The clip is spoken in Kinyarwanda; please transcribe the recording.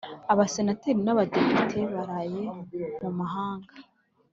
Abasenateri nabadepite baraye mumahanga